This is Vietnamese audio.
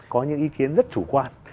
có những ý kiến rất chủ quan